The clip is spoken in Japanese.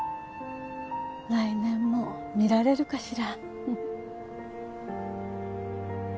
来年も見られるかしら。